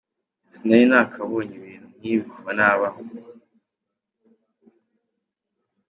Sinari nakabonye ibintu nk’ibi kuva nabaho.